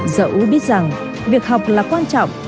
dẫu biết rằng việc học là quan trọng